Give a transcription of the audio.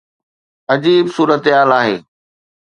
عجيب صورتحال آهي.